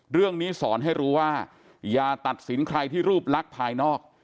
เรื่องนี้สอนให้รู้ว่าอย่าตัดสินใครที่รูปลักษณ์ภายนอก